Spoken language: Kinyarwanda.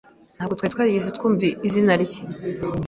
Ntabwo twari twarigeze twumva izina rye.